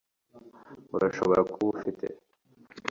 urashobora kuba ufite